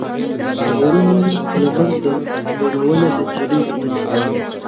غرونو لمن ده غوړولې، د نجلۍ لمن یې